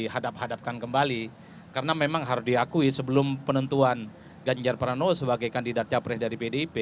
hadap hadapkan kembali karena memang harus diakui sebelum penentuan ganjar pranowo sebagai kandidat capres dari pdip